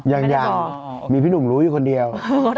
ยังมีพี่หนุ่มรู้อยู่คนเดียว